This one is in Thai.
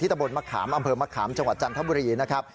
ตะบนมะขามอำเภอมะขามจังหวัดจันทบุรีนะครับ